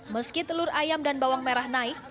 meski telur ayam dan bawang merah naik